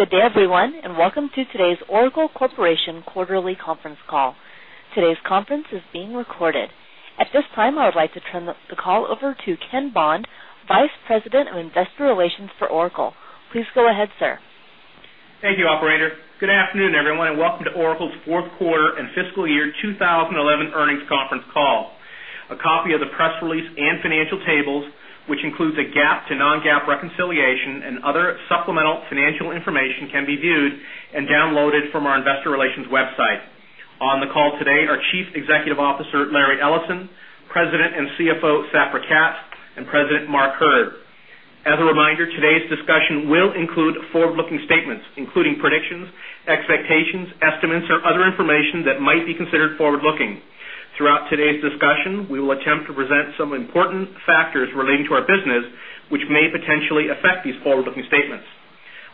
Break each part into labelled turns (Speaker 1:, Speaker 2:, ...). Speaker 1: Good day, everyone, and welcome to today's Oracle Corporation Quarterly Conference Call. Today's conference is being recorded. At this time, I would like to turn the call over to Ken Bond, Vice President of Investor Relations for Oracle. Please go ahead, sir.
Speaker 2: Thank you, operator. Good afternoon, everyone, and welcome to Oracle's Fourth Quarter and Fiscal Year 2011 Earnings Conference Call. A copy of the press release and financial tables, which includes a GAAP to non-GAAP reconciliation and other supplemental financial information, can be viewed and downloaded from our Investor Relations website. On the call today are Chief Executive Officer Larry Ellison, President and CFO Safra Catz, and President Mark Hurd. As a reminder, today's discussion will include forward-looking statements, including predictions, expectations, estimates, or other information that might be considered forward-looking. Throughout today's discussion, we will attempt to present some important factors relating to our business, which may potentially affect these forward-looking statements.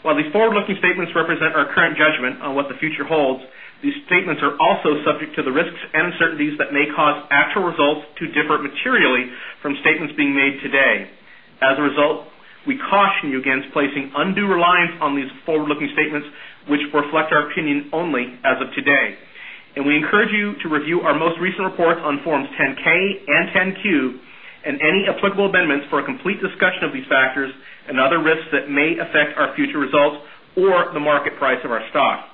Speaker 2: While these forward-looking statements represent our current judgment on what the future holds, these statements are also subject to the risks and uncertainties that may cause actual results to differ materially from statements being made today. As a result, we caution you against placing undue reliance on these forward-looking statements, which reflect our opinion only as of today. We encourage you to review our most recent reports on Forms 10-K and 10-Q and any applicable amendments for a complete discussion of these factors and other risks that may affect our future results or the market price of our stock.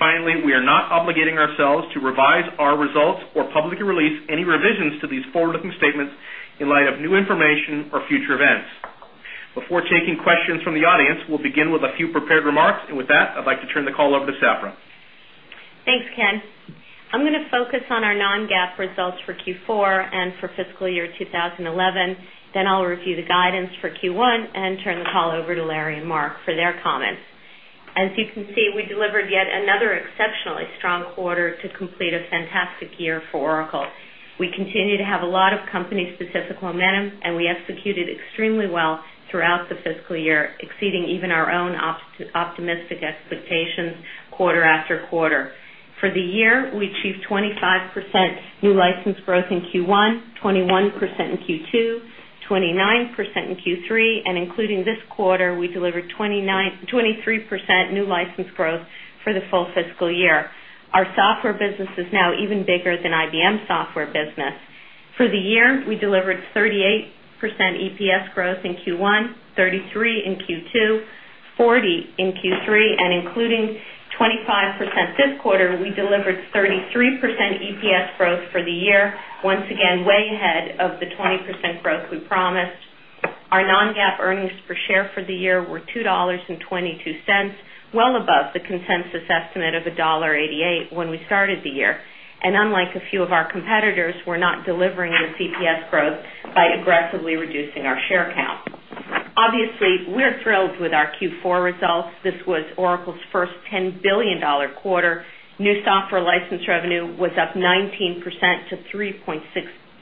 Speaker 2: Finally, we are not obligating ourselves to revise our results or publicly release any revisions to these forward-looking statements in light of new information or future events. Before taking questions from the audience, we'll begin with a few prepared remarks. With that, I'd like to turn the call over to Safra.
Speaker 3: Thanks, Ken. I'm going to focus on our non-GAAP results for Q4 and for fiscal year 2011. Then I'll review the guidance for Q1 and turn the call over to Larry and Mark for their comments. As you can see, we delivered yet another exceptionally strong quarter to complete a fantastic year for Oracle. We continue to have a lot of company-specific momentum, and we executed extremely well throughout the fiscal year, exceeding even our own optimistic expectations quarter-after-quarter. For the year, we achieved 25% new license growth in Q1, 21% in Q2, 29% in Q3, and including this quarter, we delivered 23% new license growth for the full fiscal year. Our software business is now even bigger than IBM's software business. For the year, we delivered 38% EPS growth in Q1, 33% in Q2, 40% in Q3, and including 25% in Q4, we delivered 33% EPS growth for the year, once again way ahead of the 20% growth we promised. Our non-GAAP earnings per share for the year were $2.22, well above the consensus estimate of $1.88 when we started the year. Unlike a few of our competitors, we're not delivering this EPS growth by aggressively reducing our share count. Obviously, we're thrilled with our Q4 results. This was Oracle's first $10 billion quarter. New software license revenue was up 19% to $3.6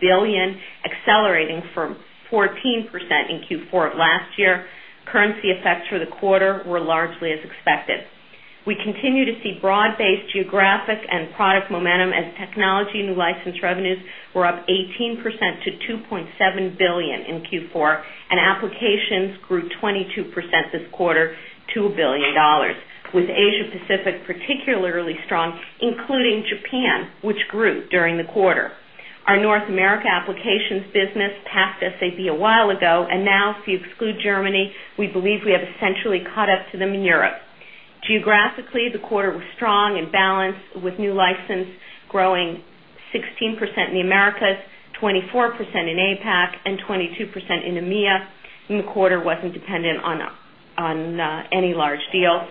Speaker 3: billion, accelerating from 14% in Q4 of last year. Currency effects for the quarter were largely as expected. We continue to see broad-based geographic and product momentum as technology new license revenues were up 18% to $2.7 billion in Q4, and applications grew 22% this quarter to $1 billion, with Asia-Pacific particularly strong, including Japan, which grew during the quarter. Our North America applications business passed SAP a while ago, and now, if you exclude Germany, we believe we have essentially caught up to them in Europe. Geographically, the quarter was strong and balanced, with new license growing 16% in the Americas, 24% in Asia-Pacific, and 22% in EMEA. The quarter wasn't dependent on any large deals.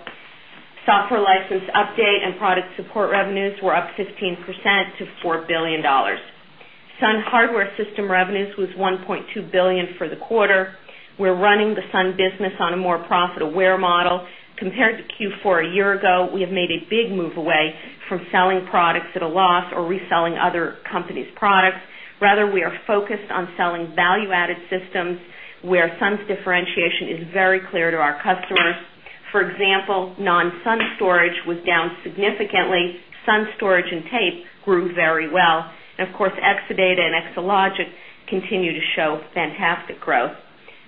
Speaker 3: Software license update and product support revenues were up 15% to $4 billion. Sun hardware system revenues were $1.2 billion for the quarter. We're running the Sun business on a more profit-aware model. Compared to Q4 a year ago, we have made a big move away from selling products at a loss or reselling other companies' products. Rather, we are focused on selling value-added systems, where Sun's differentiation is very clear to our customers. For example, non-Sun storage was down significantly. Sun storage and tape grew very well. Of course, Exadata and Exalogic continue to show fantastic growth.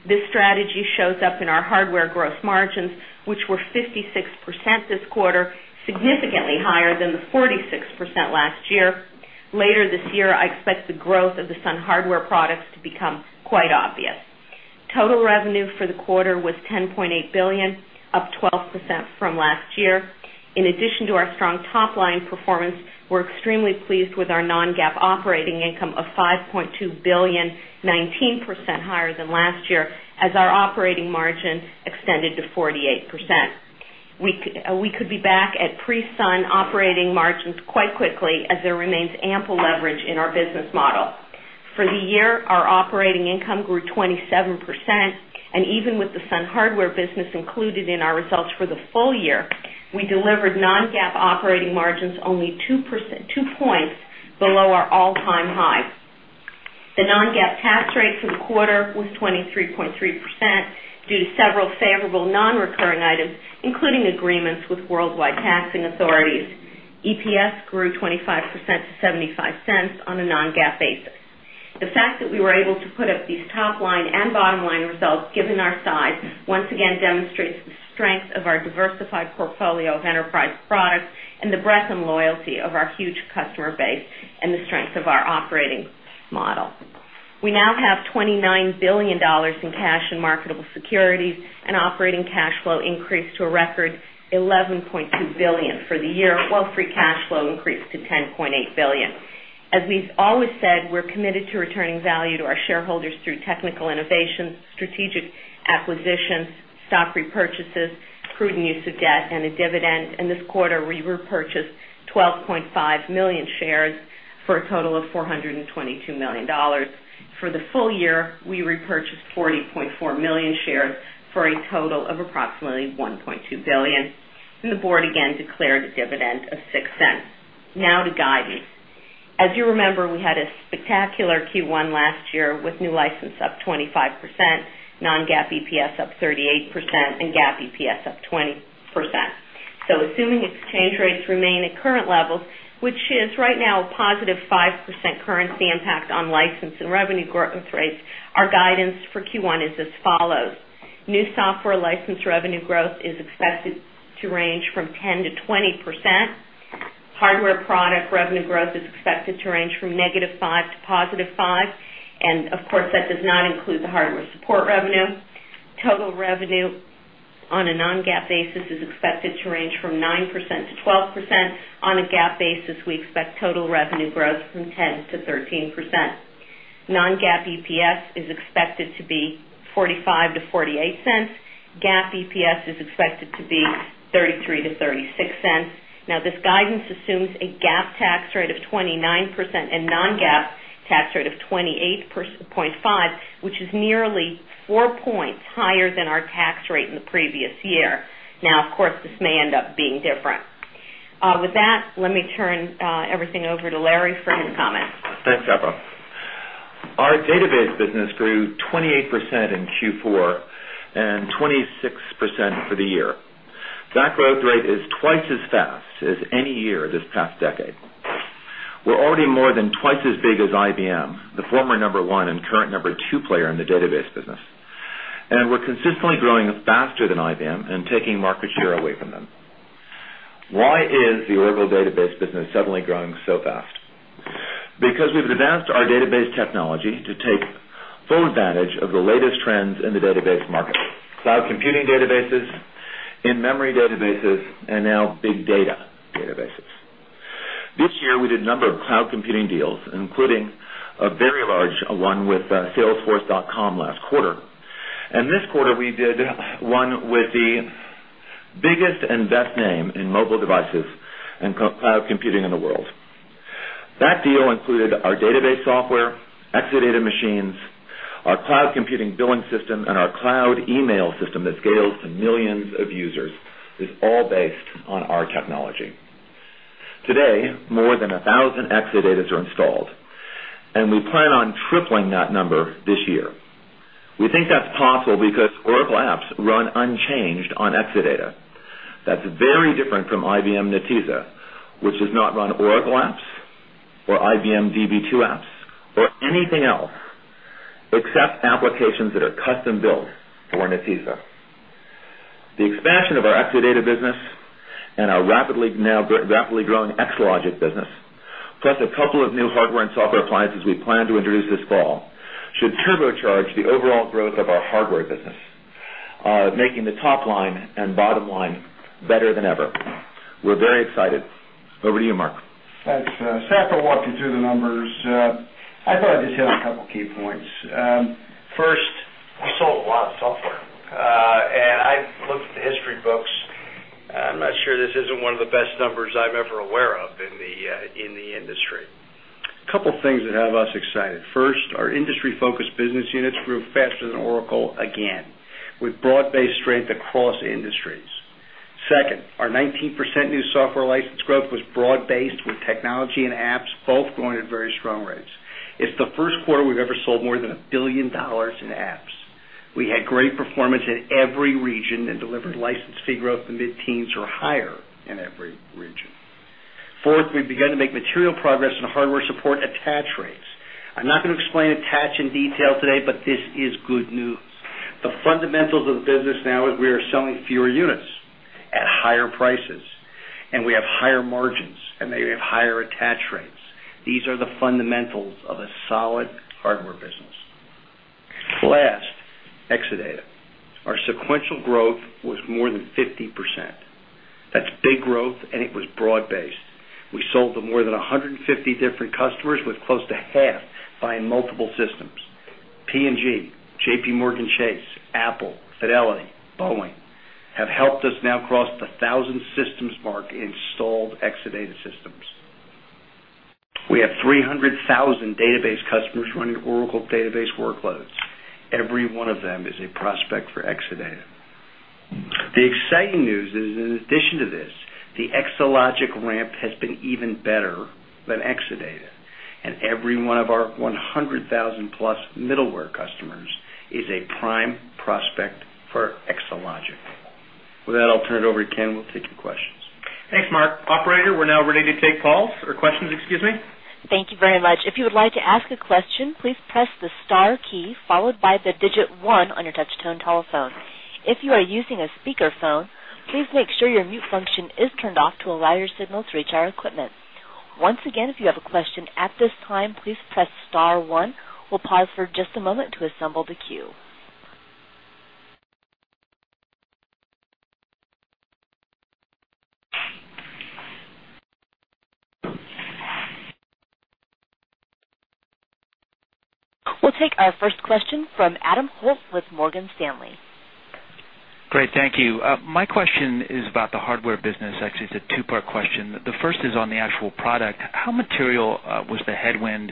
Speaker 3: This strategy shows up in our hardware gross margins, which were 56% this quarter, significantly higher than the 46% last year. Later this year, I expect the growth of the Sun hardware products to become quite obvious. Total revenue for the quarter was $10.8 billion, up 12% from last year. In addition to our strong top-line performance, we're extremely pleased with our non-GAAP operating income of $5.2 billion, 19% higher than last year, as our operating margin extended to 48%. We could be back at pre-Sun operating margins quite quickly, as there remains ample leverage in our business model. For the year, our operating income grew 27%. Even with the Sun hardware business included in our results for the full year, we delivered non-GAAP operating margins only 2%, 2 points below our all-time highs. The non-GAAP tax rate for the quarter was 23.3% due to several favorable non-recurring items, including agreements with worldwide taxing authorities. EPS grew 25% to $0.75 on a non-GAAP basis. The fact that we were able to put up these top-line and bottom-line results, given our size, once again demonstrates the strength of our diversified portfolio of enterprise products and the breadth and loyalty of our huge customer base and the strength of our operating model. We now have $29 billion in cash and marketable securities, and operating cash flow increased to a record $11.2 billion for the year, while free cash flow increased to $10.8 billion. As we've always said, we're committed to returning value to our shareholders through technical innovation, strategic acquisitions, stock repurchases, prudent use of debt, and a dividend. This quarter, we repurchased 12.5 million shares for a total of $422 million. For the full year, we repurchased 40.4 million shares for a total of approximately $1.2 billion. The board again declared a dividend of $0.06. Now to guidance. As you remember, we had a spectacular Q1 last year with new license up 25%, non-GAAP EPS up 38%, and GAAP EPS up 20%. Assuming exchange rates remain at current levels, which is right now a positive 5% currency impact on license and revenue growth rates, our guidance for Q1 is as follows. New software license revenue growth is expected to range from 10%-20%. Hardware product revenue growth is expected to range from -5%-5%. Of course, that does not include the hardware support revenue. Total revenue on a non-GAAP basis is expected to range from 9%-12%. On a GAAP basis, we expect total revenue growth from 10% to 13%. Non-GAAP EPS is expected to be $0.45-$0.48. GAAP EPS is expected to be $0.33-$0.36. This guidance assumes a GAAP tax rate of 29% and a non-GAAP tax rate of 28.5%, which is nearly four points higher than our tax rate in the previous year. This may end up being different. With that, let me turn everything over to Larry for his comments.
Speaker 4: Thanks, Safra. Our database business grew 28% in Q4 and 26% for the year. That growth rate is twice as fast as any year this past decade. We're already more than twice as big as IBM, the former number one and current number two player in the database business. We're consistently growing faster than IBM and taking market share away from them. Why is the Oracle database business suddenly growing so fast? We've advanced our database technology to take full advantage of the latest trends in the database market: cloud computing databases, in-memory databases, and now big data databases. This year, we did a number of cloud computing deals, including a very large one with Salesforce.com last quarter. This quarter, we did one with the biggest and best name in mobile devices and cloud computing in the world. That deal included our database software, Exadata machines, our Cloud Computing Billing System, and our Cloud Email System that scales to millions of users. It's all based on our technology. Today, more than 1,000 Exadatas are installed. We plan on tripling that number this year. We think that's possible because Oracle apps run unchanged on Exadata. That's very different from IBM Netezza, which does not run Oracle apps or IBM DB2 apps or anything else except applications that are custom-built for Netezza. The expansion of our Exadata business and our rapidly growing Exalogic business, plus a couple of new hardware and software appliances we plan to introduce this fall, should turbocharge the overall growth of our hardware business, making the top-line and bottom-line better than ever. We're very excited. Over to you, Mark.
Speaker 5: Thanks Larry. walked you through the numbers. I thought I'd just hit on a couple of key points. First, we sold a lot of software. I looked at the history books. I'm not sure this isn't one of the best numbers I'm ever aware of in the industry. A couple of things that have us excited. First, our industry-focused business units grew faster than Oracle again, with broad-based strength across industries. Second, our 19% new software license growth was broad-based with technology and apps, both going at very strong rates. It's the first quarter we've ever sold more than $1 billion in apps. We had great performance in every region and delivered license fee growth in the mid-teens or higher in every region. Fourth, we've begun to make material progress in hardware support attach rates. I'm not going to explain attach in detail today, but this is good news. The fundamentals of the business now is we are selling fewer units at higher prices. We have higher margins. We have higher attach rates. These are the fundamentals of a solid hardware business. Last, Exadata. Our sequential growth was more than 50%. That's big growth, and it was broad-based. We sold to more than 150 different customers with close to half buying multiple systems. P&G, JPMorgan Chase, Apple, Fidelity, Boeing have helped us now cross the 1,000 systems mark in installed Exadata systems. We have 300,000 database customers running Oracle Database workloads. Every one of them is a prospect for Exadata. The exciting news is, in addition to this, the Exalogic ramp has been even better than Exadata. Every one of our 100,000+ middleware customers is a prime prospect for Exalogic. With that, I'll turn it over to Ken and we'll take your questions.
Speaker 2: Thanks, Mark. Operator, we're now ready to take questions.
Speaker 1: Thank you very much. If you would like to ask a question, please press the star key followed by the digit one on your touch-tone telephone. If you are using a speaker phone, please make sure your mute function is turned off to allow your signal to reach our equipment. Once again, if you have a question at this time, please press star one. We'll pause for just a moment to assemble the queue. We'll take our first question from Adam Wolf with Morgan Stanley.
Speaker 6: Great, thank you. My question is about the hardware business. Actually, it's a two-part question. The first is on the actual product. How material was the headwind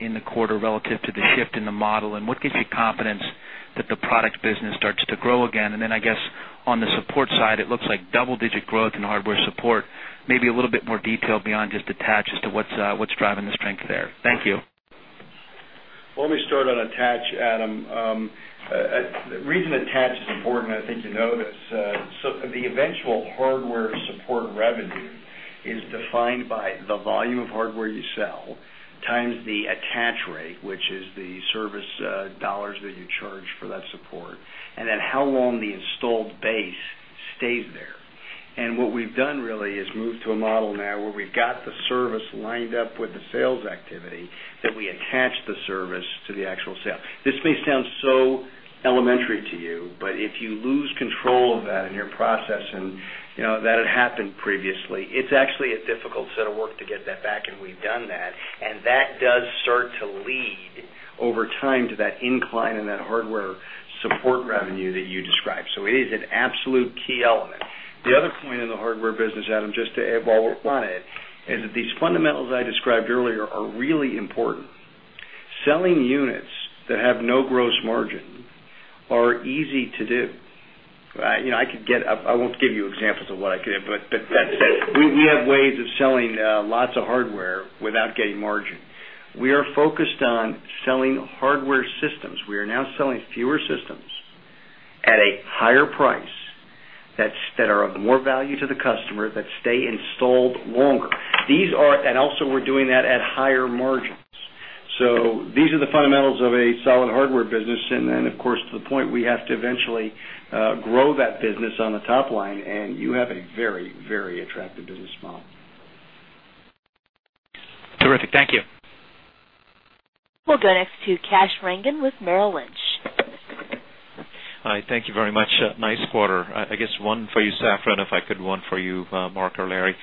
Speaker 6: in the quarter relative to the shift in the model? What gives you confidence that the product business starts to grow again? On the support side, it looks like double-digit growth in hardware support. Maybe a little bit more detail beyond just attach as to what's driving the strength there. Thank you.
Speaker 5: Let me start on attach, Adam. The reason attach is important, and I think you know this. The eventual hardware support revenue is defined by the volume of hardware you sell times the attach rate, which is the service dollars that you charge for that support, and then how long the installed base stays there. What we've done really is move to a model now where we've got the service lined up with the sales activity that we attach the service to the actual sale. This may sound so elementary to you, but if you lose control of that in your process, and that had happened previously, it's actually a difficult set of work to get that back. We've done that. That does start to lead over time to that incline in that hardware support revenue that you described. It is an absolute key element. The other point in the hardware business, Adam, just to ebb all up on it, is that these fundamentals I described earlier are really important. Selling units that have no gross margin are easy to do. I could get up. I won't give you examples of what I could do. That said, we have ways of selling lots of hardware without getting margin. We are focused on selling hardware systems. We are now selling fewer systems at a higher price that are of more value to the customer, that stay installed longer. Also, we're doing that at higher margins. These are the fundamentals of a solid hardware business. Of course, to the point, we have to eventually grow that business on the top line. You have a very, very attractive business model. Terrific. Thank you.
Speaker 1: We'll go next to Kash Rangan with Merrill Lynch.
Speaker 7: Hi, thank you very much. Nice quarter. I guess one for you, Safra, and if I could, one for you, Mark or Larry.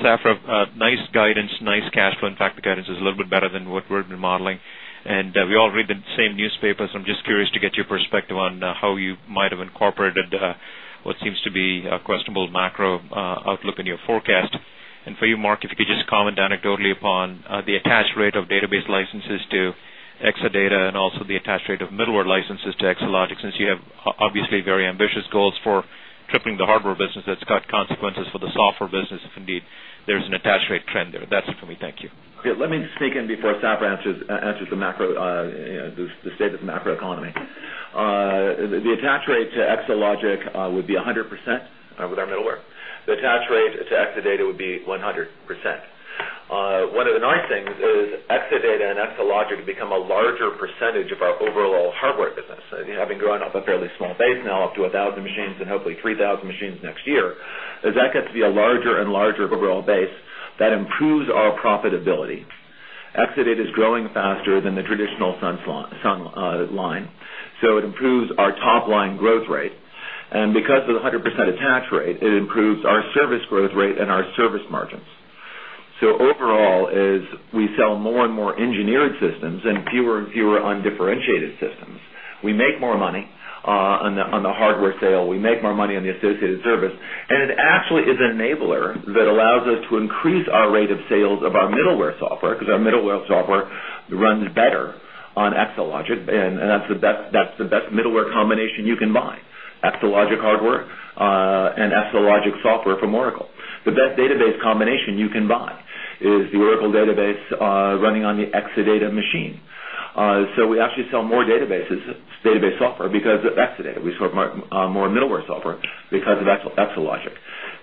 Speaker 7: Safra, nice guidance, nice cash flow. In fact, the guidance is a little bit better than what we've been modeling. We all read the same newspapers. I'm just curious to get your perspective on how you might have incorporated what seems to be a questionable macro outlook in your forecast. For you, Mark, if you could just comment anecdotally upon the attach rate of database licenses to Exadata and also the attach rate of middleware licenses to Exalogic, since you have obviously very ambitious goals for tripling the hardware business. That's got consequences for the software business, if indeed there's an attach rate trend there. That's it for me. Thank you.
Speaker 4: OK, let me sneak in before Safra answers the macro, the state of the macroeconomy. The attach rate to Exalogic would be 100% with our middleware. The attach rate to Exadata would be 100%. One of the nice things is Exadata and Exalogic have become a larger percentage of our overall hardware business. Having grown up a fairly small base now, up to 1,000 machines and hopefully 3,000 machines next year, as that gets to be a larger and larger overall base, that improves our profitability. Exadata is growing faster than the traditional Sun line. It improves our top-line growth rate. Because of the 100% attach rate, it improves our service growth rate and our service margins. Overall, we sell more and more engineered systems and fewer and fewer undifferentiated systems. We make more money on the hardware sale. We make more money on the associated service. It actually is an enabler that allows us to increase our rate of sales of our middleware software because our middleware software runs better on Exalogic. That's the best middleware combination you can buy: Exalogic hardware and Exalogic software from Oracle. The best database combination you can buy is the Oracle database running on the Exadata machine. We actually sell more database software because of Exadata. We sell more middleware software because of Exalogic.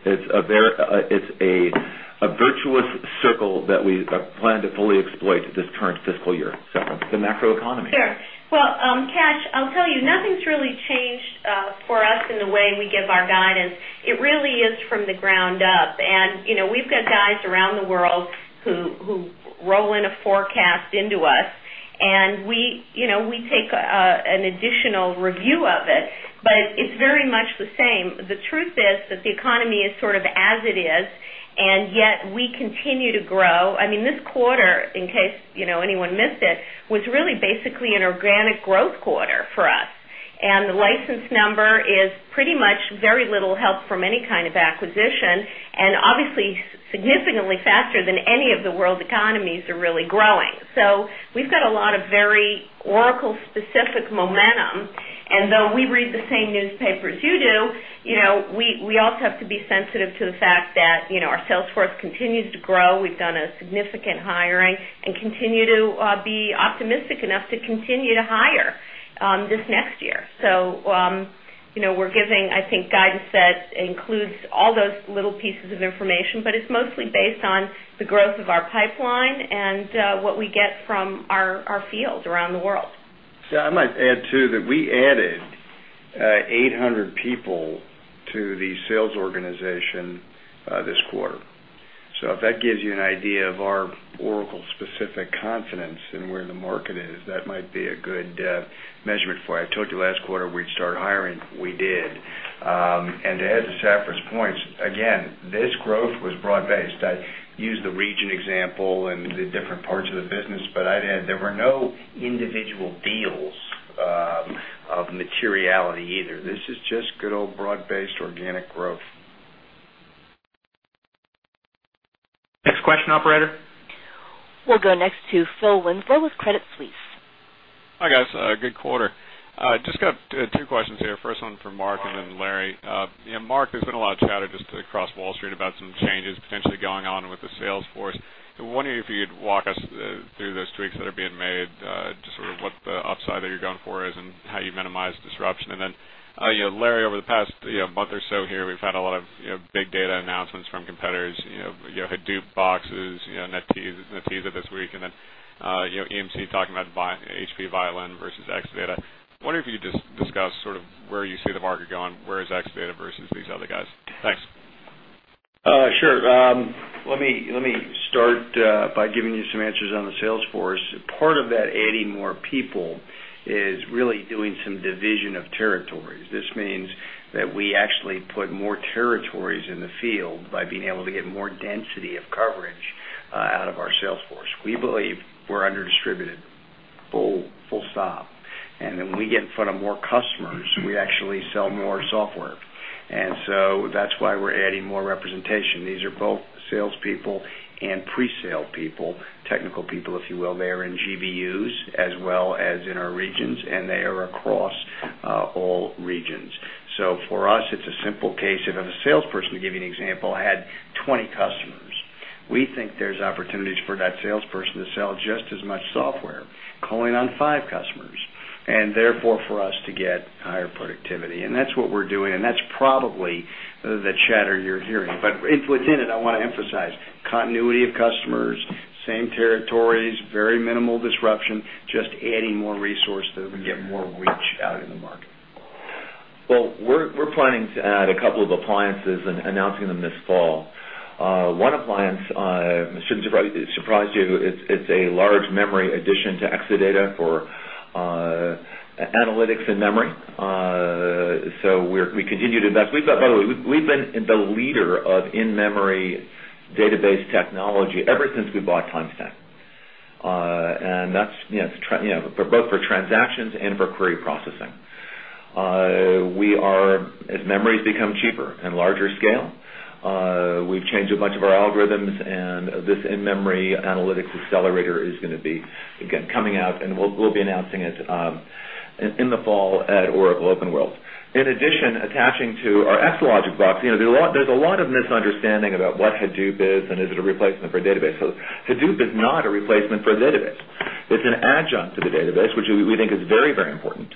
Speaker 4: It's a virtuous circle that we plan to fully exploit this current fiscal year. Safra, the macroeconomy.
Speaker 3: Sure. Cash, I'll tell you, nothing's really changed for us in the way we give our guidance. It really is from the ground up. We've got guys around the world who roll in a forecast into us, and we take an additional review of it. It's very much the same. The truth is that the economy is sort of as it is, yet we continue to grow. I mean, this quarter, in case anyone missed it, was really basically an organic growth quarter for us, and the license number is pretty much very little help from any kind of acquisition and obviously significantly faster than any of the world economies are really growing. We've got a lot of very Oracle-specific momentum. Though we read the same newspapers you do, we also have to be sensitive to the fact that our sales force continues to grow. We've done significant hiring and continue to be optimistic enough to continue to hire this next year. We're giving, I think, guidance that includes all those little pieces of information. It's mostly based on the growth of our pipeline and what we get from our fields around the world.
Speaker 5: I might add, too, that we added 800 people to the sales organization this quarter. If that gives you an idea of our Oracle-specific confidence and where the market is, that might be a good measurement for you. I told you last quarter we'd start hiring. We did. To add to Safra's points, again, this growth was broad-based. I used the region example and the different parts of the business. I'd add, there were no individual deals of materiality either. This is just good old broad-based organic growth.
Speaker 2: Next question, operator.
Speaker 1: We'll go next to Phil Winslow with Credit Suisse.
Speaker 8: Hi, guys. Good quarter. Just got two questions here. First one for Mark and then Larry. Mark, there's been a lot of chatter just across Wall Street about some changes potentially going on with the sales force. I'm wondering if you could walk us through those tweaks that are being made, just sort of what the upside that you're going for is and how you minimize disruption. Larry, over the past month or so here, we've had a lot of big data announcements from competitors. You had Duke boxes, Netezza this week, and then EMC talking about HP Violin versus Exadata. I'm wondering if you could just discuss sort of where you see the market going, where is Exadata versus these other guys. Thanks.
Speaker 5: Sure. Let me start by giving you some answers on the sales force. Part of that 80 more people is really doing some division of territories. This means that we actually put more territories in the field by being able to get more density of coverage out of our sales force. We believe we're under-distributed, full stop. We get in front of more customers, and we actually sell more software. That's why we're adding more representation. These are both salespeople and pre-sale people, technical people, if you will. They are in GBUs as well as in our regions, and they are across all regions. For us, it's a simple case. If a salesperson, to give you an example, had 20 customers, we think there's opportunities for that salesperson to sell just as much software, calling on five customers, and therefore for us to get higher productivity. That's what we're doing. That's probably the chatter you're hearing. Within it, I want to emphasize continuity of customers, same territories, very minimal disruption, just adding more resource to get more reach out in the market.
Speaker 4: We're planning to add a couple of appliances and announcing them this fall. One appliance shouldn't surprise you. It's a large memory addition to Exadata for analytics and memory. We continue to invest. By the way, we've been the leader of in-memory database technology ever since we bought TimesTen. That's both for transactions and for query processing. As memories become cheaper and larger scale, we've changed a bunch of our algorithms. This in-memory analytics accelerator is going to be, again, coming out. We'll be announcing it in the fall at Oracle OpenWorld. In addition, attaching to our Exalogic box, there's a lot of misunderstanding about what Hadoop is and is it a replacement for a database. Hadoop is not a replacement for the database. It's an adjunct to the database, which we think is very, very important.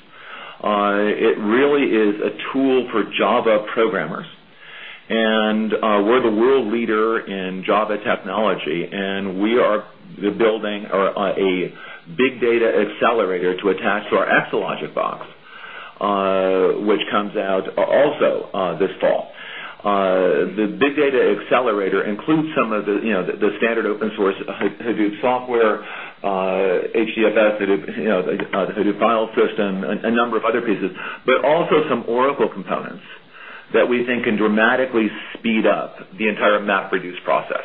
Speaker 4: It really is a tool for Java programmers. We're the world leader in Java technology. We are building a big data accelerator to attach to our Exalogic box, which comes out also this fall. The big data accelerator includes some of the standard open source Hadoop software, HDFS, the Hadoop file system, and a number of other pieces, but also some Oracle components that we think can dramatically speed up the entire map reduce process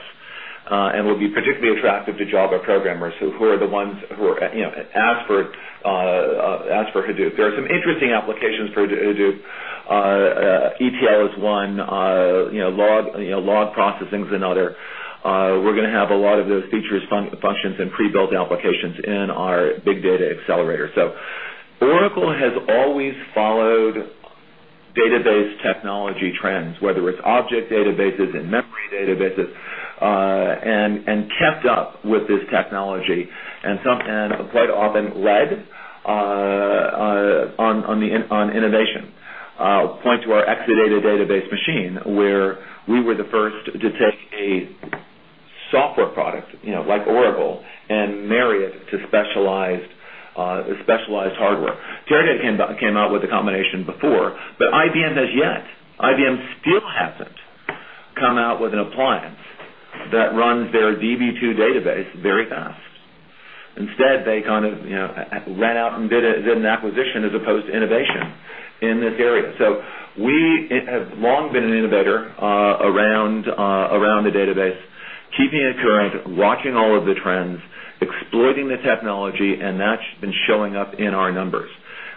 Speaker 4: and will be particularly attractive to Java programmers who are the ones who ask for Hadoop. There are some interesting applications for Hadoop. ETL is one. Log processing is another. We're going to have a lot of those features, functions, and pre-built applications in our big data accelerator. Oracle has always followed database technology trends, whether it's object databases and memory databases, and kept up with this technology and quite often led on innovation. I'll point to our Exadata Database Machine, where we were the first to take a software product like Oracle and marry it to specialized hardware. Teradata came out with a combination before. IBM has yet, IBM still hasn't come out with an appliance that runs their DB2 database very fast. Instead, they kind of went out and did an acquisition as opposed to innovation in this area. We have long been an innovator around the database, keeping it current, watching all of the trends, exploiting the technology. That's been showing up in our numbers.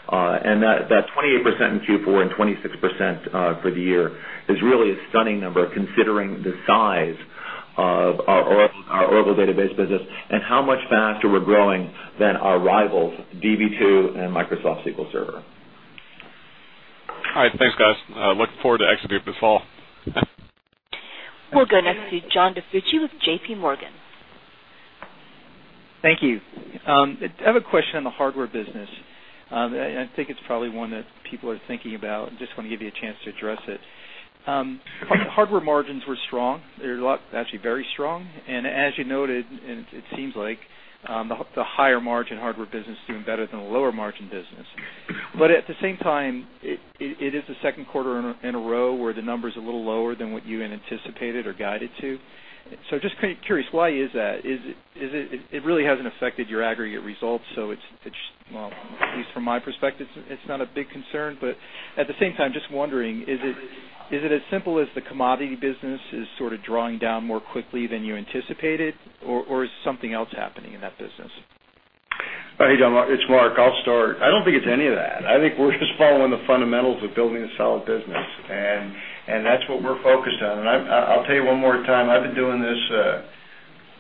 Speaker 4: That 28% in Q4 and 26% for the year is really a stunning number, considering the size of our Oracle Database business and how much faster we're growing than our rivals, DB2 and Microsoft SQL Server.
Speaker 8: All right. Thanks, guys. Look forward to Exadata this fall.
Speaker 1: We'll go next to John DiFucci with JPMorgan.
Speaker 9: Thank you. I have a question on the hardware business. I think it's probably one that people are thinking about. I just want to give you a chance to address it. Hardware margins were strong. They're actually very strong. As you noted, it seems like the higher margin hardware business is doing better than the lower margin business. At the same time, it is the second quarter in a row where the number is a little lower than what you anticipated or guided to. I'm just curious, why is that? It really hasn't affected your aggregate results. At least from my perspective, it's not a big concern. At the same time, just wondering, is it as simple as the commodity business is sort of drawing down more quickly than you anticipated? Is something else happening in that business?
Speaker 5: Hey, John. It's Mark. I'll start. I don't think it's any of that. I think we're just following the fundamentals of building a solid business. That's what we're focused on. I'll tell you one more time, I've been doing this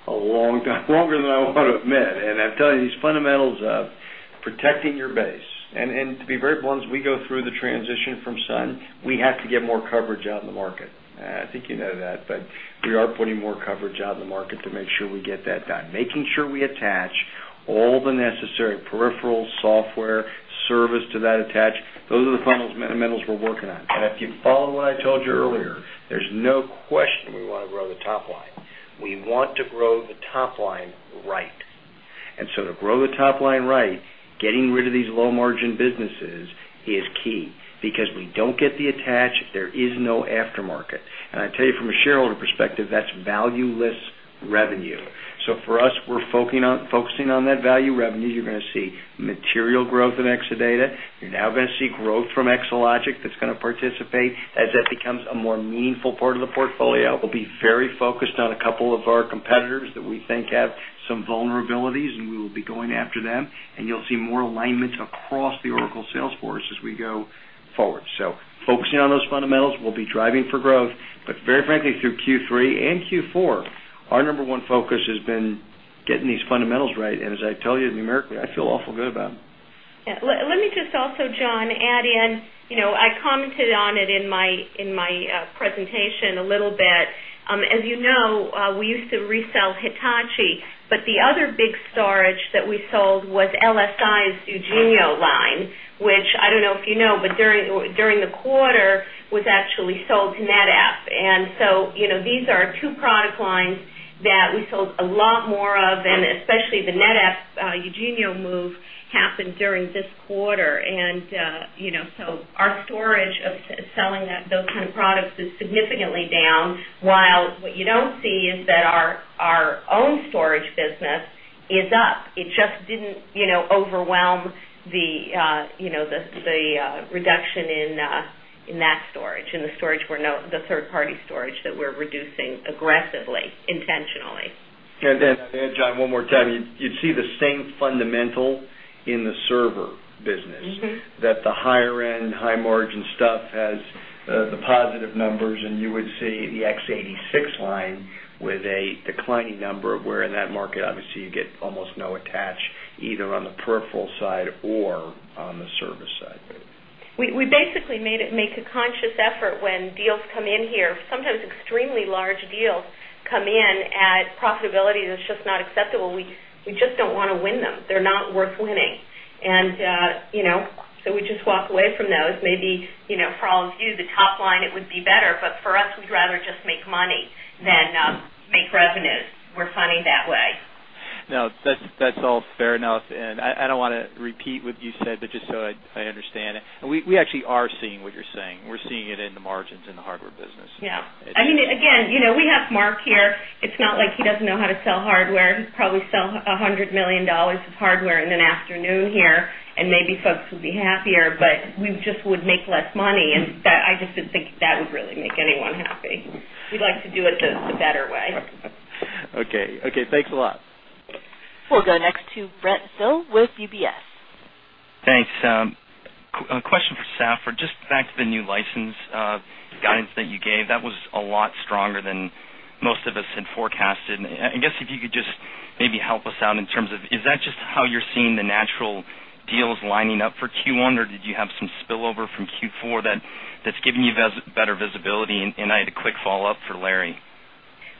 Speaker 5: a long time, longer than I want to admit. I'm telling you, these fundamentals are protecting your base. To be very blunt, as we go through the transition from Sun Microsystems, we have to get more coverage out in the market. I think you know that. We are putting more coverage out in the market to make sure we get that done, making sure we attach all the necessary peripheral software service to that attach. Those are the fundamentals we're working on. If you follow what I told you earlier, there's no question we want to grow the top line. We want to grow the top line right. To grow the top line right, getting rid of these low margin businesses is key because we don't get the attach if there is no aftermarket. I tell you, from a shareholder perspective, that's valueless revenue. For us, we're focusing on that value revenue. You're going to see material growth in Exadata. You're now going to see growth from Exalogic that's going to participate as that becomes a more meaningful part of the portfolio. We'll be very focused on a couple of our competitors that we think have some vulnerabilities. We will be going after them. You'll see more alignments across the Oracle sales force as we go forward. Focusing on those fundamentals, we'll be driving for growth. Very frankly, through Q3 and Q4, our number one focus has been getting these fundamentals right. As I tell you, numerically, I feel awful good about them.
Speaker 3: Let me just also, John, add in, you know I commented on it in my presentation a little bit. As you know, we used to resell Hitachi. The other big storage that we sold was LSI's Engenio line, which I don't know if you know, but during the quarter, was actually sold to NetApp. These are two product lines that we sold a lot more of, especially the NetApp-Engenio move happened during this quarter. Our storage of selling those kind of products is significantly down, while what you don't see is that our own storage business is up. It just didn't overwhelm the reduction in that storage, in the storage we're not, the third-party storage that we're reducing aggressively, intentionally.
Speaker 5: John, one more time, you'd see the same fundamental in the server business, that the higher-end, high-margin stuff has the positive numbers. You would see the x86 line with a declining number, where in that market, obviously, you get almost no attach either on the peripheral side or on the service side.
Speaker 3: We basically made a conscious effort when deals come in here. Sometimes extremely large deals come in at profitability that's just not acceptable. We just don't want to win them. They're not worth winning. You know, we just walk away from those. Maybe for all of you, the top line would be better, but for us, we'd rather just make money than make revenue. We're funding that way.
Speaker 9: Now, that's all fair enough. I don't want to repeat what you said, but just so I understand it, we actually are seeing what you're saying. We're seeing it in the margins in the hardware business.
Speaker 3: Yeah. I mean, again, you know we have Mark Hurd here. It's not like he doesn't know how to sell hardware. He'd probably sell $100 million of hardware in an afternoon here. Maybe folks would be happier. We just would make less money. I just don't think that would really make anyone happy. We'd like to do it the better way.
Speaker 9: OK. Thanks a lot.
Speaker 1: We'll go next to Brent Thill with UBS.
Speaker 10: Thanks. A question for Safra. Just back to the new license guidance that you gave, that was a lot stronger than most of us had forecasted. I guess if you could just maybe help us out in terms of, is that just how you're seeing the natural deals lining up for Q1? Did you have some spillover from Q4 that's given you better visibility? I had a quick follow-up for Larry.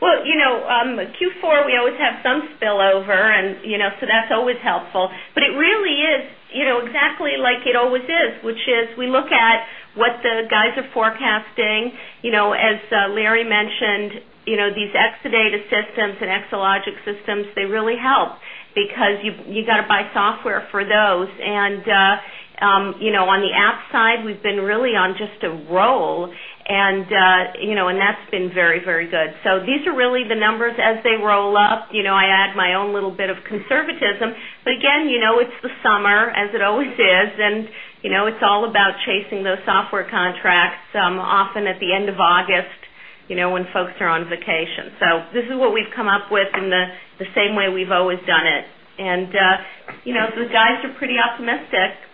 Speaker 3: Q4 always has some spillover, and that's always helpful. It really is exactly like it always is, which is we look at what the guys are forecasting. As Larry mentioned, these Exadata systems and Exalogic systems really help because you've got to buy software for those. On the app side, we've been really on just a roll, and that's been very, very good. These are really the numbers as they roll up. I add my own little bit of conservatism. Again, it's the summer, as it always is, and it's all about chasing those software contracts often at the end of August when folks are on vacation. This is what we've come up with in the same way we've always done it, and the guys are pretty optimistic.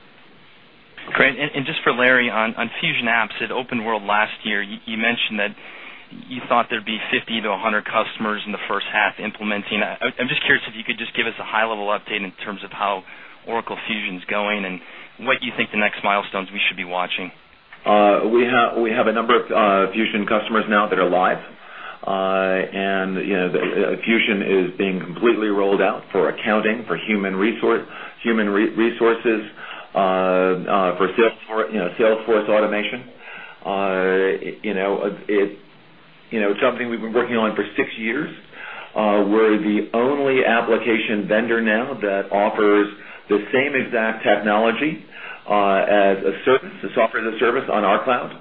Speaker 10: OK. Just for Larry, on Fusion Applications at OpenWorld last year, you mentioned that you thought there'd be 50-100 customers in the first half implementing. I'm just curious if you could give us a high-level update in terms of how Oracle Fusion is going and what you think the next milestones we should be watching.
Speaker 4: We have a number of Fusion customers now that are live. Fusion is being completely rolled out for accounting, for human resources, for sales force automation. It's something we've been working on for six years. We're the only application vendor now that offers the same exact technology as a service, a software as a service on our cloud.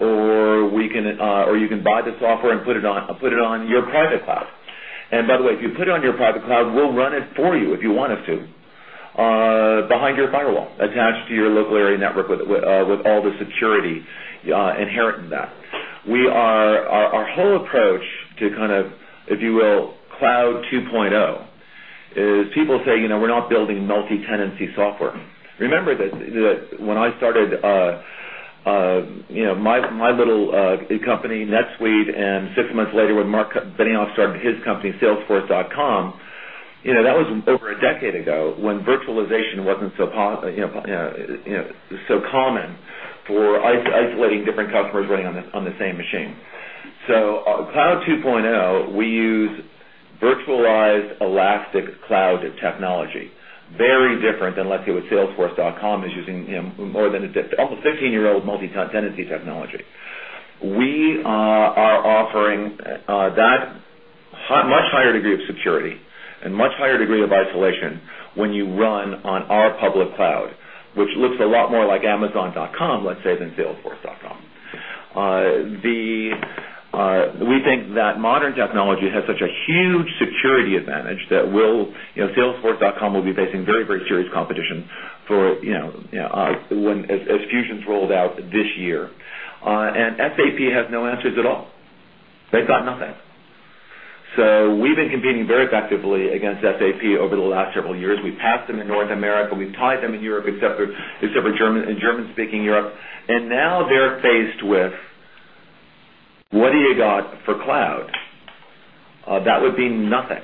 Speaker 4: You can buy the software and put it on your private cloud. By the way, if you put it on your private cloud, we'll run it for you if you want us to, behind your firewall, attached to your local area network with all the security inherent in that. Our whole approach to, if you will, cloud 2.0 is people say, you know we're not building multi-tenancy software. Remember that when I started my little company, NetSuite, and six months later, when Mark Benioff started his company, Salesforce.com, that was over a decade ago when virtualization wasn't so common for isolating different customers running on the same machine. Cloud 2.0, we use virtualized elastic cloud technology, very different than, let's say, what Salesforce.com is using, more than almost 15-year-old multi-tenancy technology. We are offering that much higher degree of security and much higher degree of isolation when you run on our public cloud, which looks a lot more like Amazon.com, let's say, than Salesforce.com. We think that modern technology has such a huge security advantage that Salesforce.com will be facing very, very serious competition as Fusion is rolled out this year. SAP has no answers at all. They've got nothing. We've been competing very effectively against SAP over the last several years. We've passed them in North America. We've tied them in Europe, except for German-speaking Europe. Now they're faced with, what do you got for cloud? That would be nothing.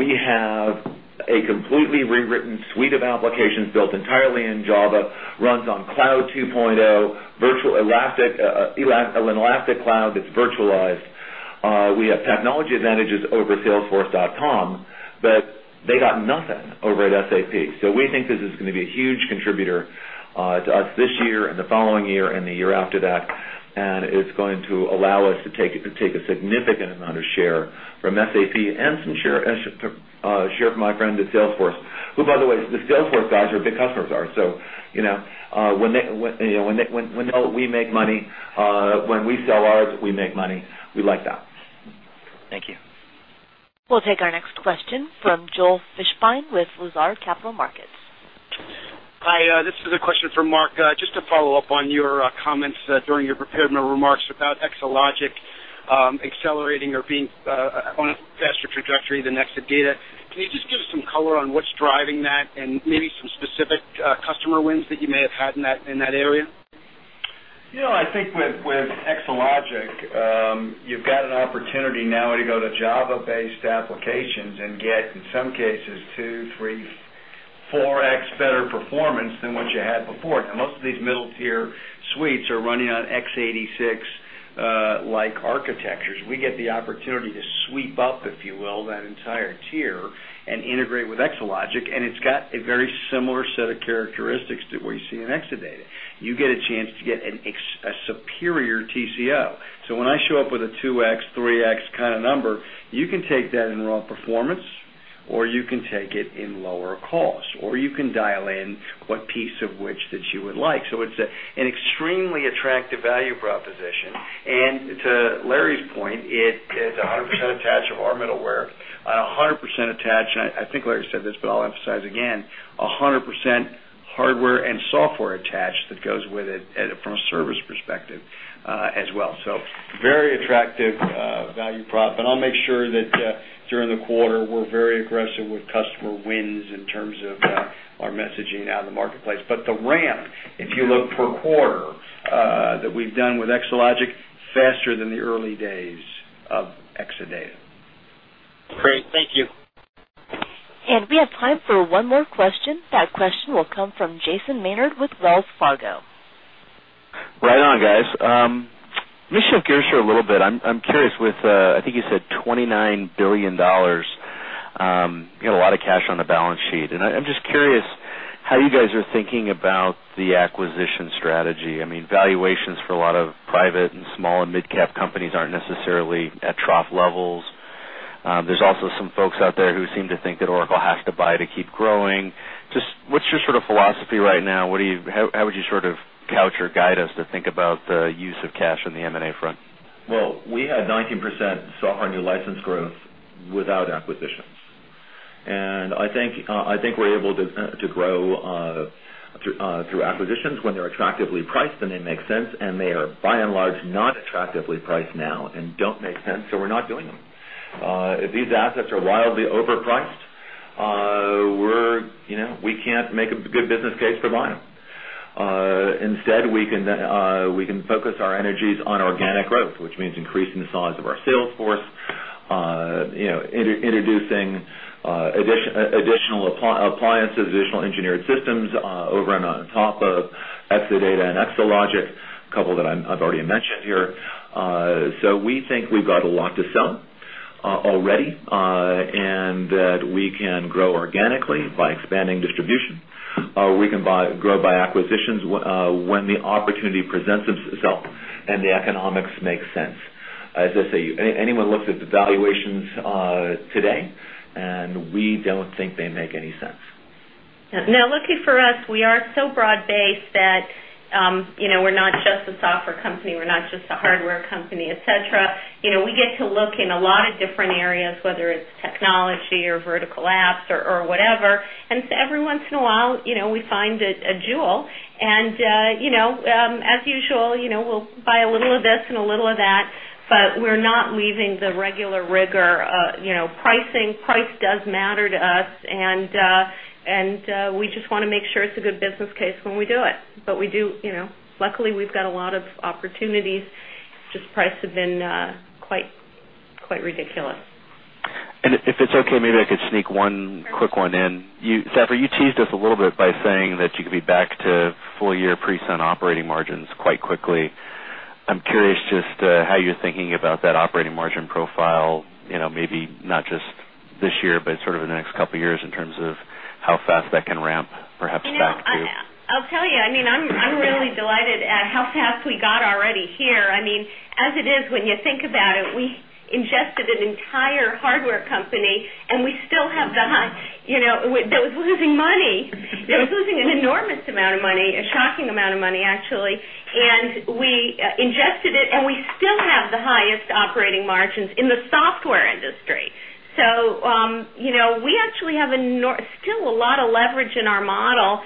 Speaker 4: We have a completely rewritten suite of applications built entirely in Java, runs on cloud 2.0, an elastic cloud that's virtualized. We have technology advantages over Salesforce.com. They got nothing over at SAP. We think this is going to be a huge contributor to us this year and the following year and the year after that. It's going to allow us to take a significant amount of share from SAP and some share from my friend at Salesforce, who, by the way, the Salesforce guys are big customers of ours. When we make money, when we sell ours, we make money. We like that.
Speaker 10: Thank you.
Speaker 1: We'll take our next question from Joel Fishbein with Luzer Capital Markets.
Speaker 11: Hi. This is a question for Mark. Just to follow up on your comments during your prepared remarks about Exalogic accelerating or being on a faster trajectory than Exadata, can you give us some color on what's driving that and maybe some specific customer wins that you may have had in that area?
Speaker 5: I think with Exalogic, you've got an opportunity now to go to Java-based applications and get, in some cases, 2x, 3x, 4x better performance than what you had before. Most of these middle-tier suites are running on x86-like architectures. We get the opportunity to sweep up, if you will, that entire tier and integrate with Exalogic. It's got a very similar set of characteristics to what you see in Exadata. You get a chance to get a superior TCO. When I show up with a 2x, 3x kind of number, you can take that in raw performance, you can take it in lower cost, or you can dial in what piece of which that you would like. It's an extremely attractive value proposition. To Larry's point, it's 100% attached of our middleware, 100% attached. I think Larry said this, but I'll emphasize again, 100% hardware and software attached that goes with it from a service perspective as well. Very attractive value prop. I'll make sure that during the quarter, we're very aggressive with customer wins in terms of our messaging out in the marketplace. The ramp, if you look for a quarter that we've done with Exalogic, is faster than the early days of Exadata.
Speaker 11: Great. Thank you.
Speaker 1: We have time for one more question. That question will come from Jason Maynard with Wells Fargo.
Speaker 12: Right on, guys. I'm just going to be curious here a little bit. I'm curious with, I think you said $29 billion. You got a lot of cash on the balance sheet. I'm just curious how you guys are thinking about the acquisition strategy. I mean, valuations for a lot of private and small and mid-cap companies aren't necessarily at trough levels. There are also some folks out there who seem to think that Oracle has to buy to keep growing. Just what's your sort of philosophy right now? How would you sort of couch or guide us to think about the use of cash on the M&A front?
Speaker 4: We had 19% software new license growth without acquisitions. I think we're able to grow through acquisitions when they're attractively priced and they make sense. They are, by and large, not attractively priced now and don't make sense. We're not doing them. These assets are wildly overpriced. We can't make a good business case for buying. Instead, we can focus our energies on organic growth, which means increasing the size of our sales force, introducing additional appliances, additional engineered systems over and on top of Exadata and Exalogic, a couple that I've already mentioned here. We think we've got a lot to sell already and that we can grow organically by expanding distribution. We can grow by acquisitions when the opportunity presents themselves and the economics make sense. As I say, anyone looks at the valuations today, and we don't think they make any sense.
Speaker 3: Now, lucky for us, we are so broad-based that we're not just a software company, we're not just a hardware company, et cetera. We get to look in a lot of different areas, whether it's technology or vertical apps or whatever. Every once in a while, we find a jewel. As usual, we'll buy a little of this and a little of that. We're not leaving the regular rigor. Pricing does matter to us. We just want to make sure it's a good business case when we do it. Luckily, we've got a lot of opportunities. It's just price has been quite ridiculous.
Speaker 12: If it's OK, maybe I could sneak one quick one in. Safra, you teased this a little bit by saying that you could be back to full-year pre-Sun operating margins quite quickly. I'm curious just how you're thinking about that operating margin profile, maybe not just this year, but sort of in the next couple of years in terms of how fast that can ramp perhaps back.
Speaker 3: Yeah. I'll tell you, I mean, I'm really delighted at how fast we got already here. I mean, as it is, when you think about it, we ingested an entire hardware company, and we still have that. It was losing money. It was losing an enormous amount of money, a shocking amount of money, actually. We ingested it, and we still have the highest operating margins in the software industry. We actually have still a lot of leverage in our model.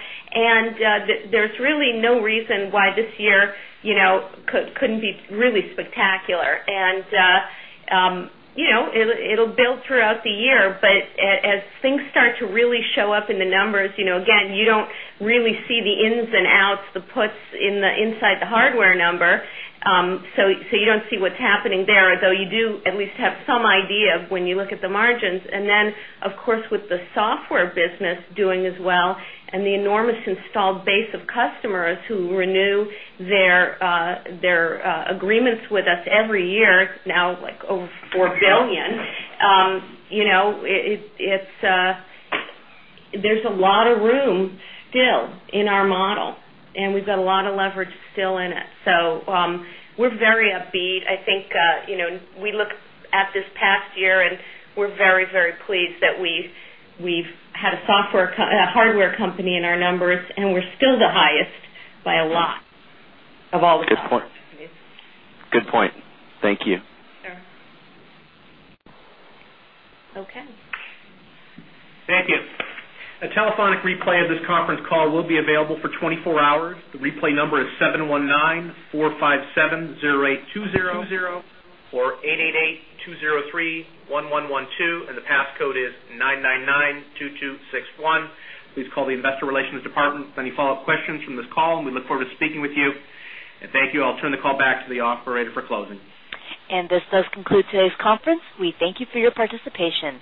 Speaker 3: There's really no reason why this year couldn't be really spectacular. It'll build throughout the year. As things start to really show up in the numbers, again, you don't really see the ins and outs, the puts inside the hardware number. You don't see what's happening there, though you do at least have some idea when you look at the margins. Of course, with the software business doing as well and the enormous installed base of customers who renew their agreements with us every year, now like over $4 billion, there's a lot of room still in our model. We've got a lot of leverage still in it. We're very upbeat. I think we looked at this past year, and we're very, very pleased that we've had a hardware company in our numbers. We're still the highest by a lot of all the time.
Speaker 12: Good point. Thank you.
Speaker 3: Sure. OK.
Speaker 12: Thank you.
Speaker 2: A telephonic replay of this conference call will be available for 24 hours. The replay number is 719-457-0820 or 888-203-1112, and the passcode is 999-2261. Please call the Investor Relations Department with any follow-up questions from this call. We look forward to speaking with you. Thank you. I'll turn the call back to the operator for closing.
Speaker 1: This does conclude today's conference. We thank you for your participation.